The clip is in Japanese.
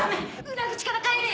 裏口から帰るよ！